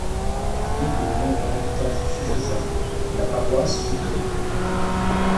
Dès que le nombre d'habitants fut suffisant, la paroisse fut créée.